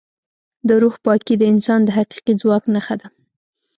د روح پاکي د انسان د حقیقي ځواک نښه ده.